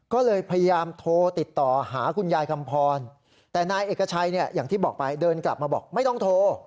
ก็เลยพยายามโทรติดต่อหาคุณยายคำพรแต่นายเอกชัยเนี่ยอย่างที่บอกไปเดินกลับมาบอกไม่ต้องโทร